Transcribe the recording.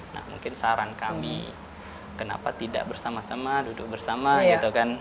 nah mungkin saran kami kenapa tidak bersama sama duduk bersama gitu kan